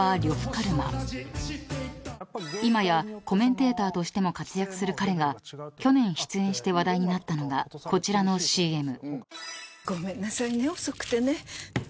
［今やコメンテーターとしても活躍する彼が去年出演して話題になったのがこちらのＣＭ］